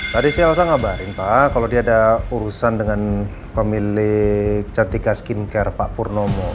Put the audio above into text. tadi sih elsa ngabarin pak kalau dia ada urusan dengan pemilik cantika skincare pak purnomo